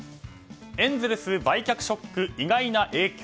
エンゼルス、売却ショック意外な影響。